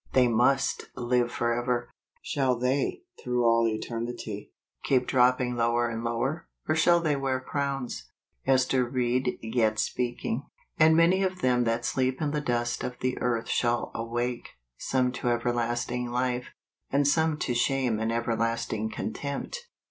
they must live forever. Shall they, through all eternity, keep droppiug lower and lower, or shall they wear crowns ? Ester Ricd Yet Speaking. " And many of them that sleep in the dust of the earth shall aicake , some to everlasting life, and some to shame and everlasting contempt 30.